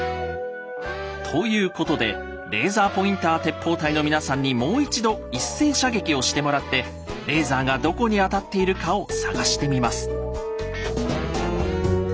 ということでレーザーポインター鉄砲隊の皆さんにもう一度一斉射撃をしてもらってレーザーがどこに当たっているかを探してみます。